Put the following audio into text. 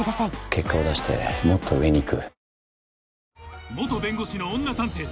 結果を出してもっと上にいく。